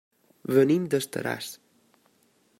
Venim d'Estaràs.